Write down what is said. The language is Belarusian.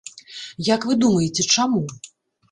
Як вы думаеце, чаму?